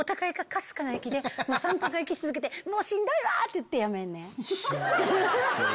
かすかな息で３分間し続けてもうしんどいわ！って言ってやめんねんウフフフ！